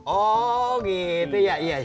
oh gitu ya